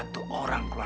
magneung hirup rasu puis